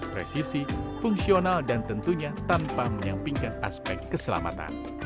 presisi fungsional dan tentunya tanpa menyampingkan aspek keselamatan